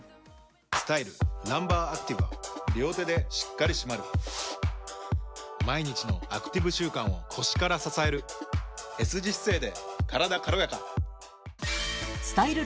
スタイルランバーアクティブは両手でしっかり締まる毎日のアクティブ習慣を腰から支えるＳ字姿勢でカラダ軽やかスタイル